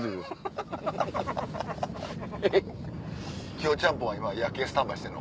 キヨちゃんぽんは今夜景スタンバイしてんの？